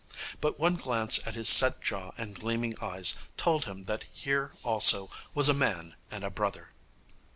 But one glance at his set jaw and gleaming eyes told him that here also was a man and a brother.